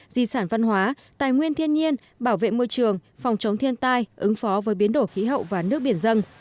di sản văn hóa tài nguyên thiên nhiên bảo vệ môi trường phòng chống thiên tai ứng phó với biến đổi khí hậu và nước biển dân